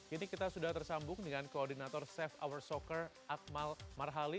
ini kita sudah tersambung dengan koordinator safe hour soccer akmal marhali